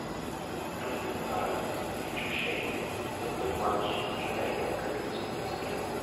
Another new product was the Future Shake, a "liquid lunch" aimed at younger consumers.